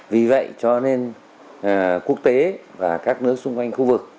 vì vậy cho nên quốc tế và các nước xung quanh khu vực